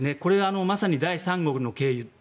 まさに第三国の経由。